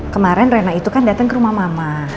kemaren rena itu kan dateng ke rumah mama